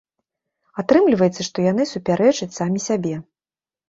Атрымліваецца, што яны супярэчаць самі сабе.